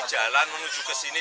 jalan menuju kesini